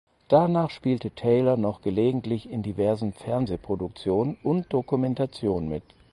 Danach spielte Taylor noch gelegentlich in diversen Fernsehproduktionen und Dokumentationen mit.